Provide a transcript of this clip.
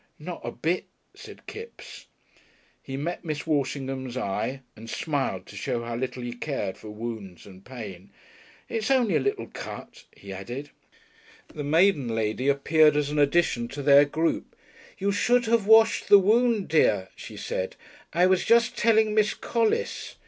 "Not a bit," said Kipps. He met Miss Walshingham's eye, and smiled to show how little he cared for wounds and pain. "It's only a little cut," he added. The maiden lady appeared as an addition to their group. "You should have washed the wound, dear," she said. "I was just telling Miss Collis."